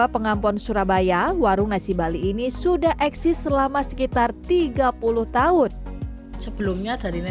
pengampon surabaya warung nasi bali ini sudah eksis selama sekitar tiga puluh tahun sebelumnya tadinya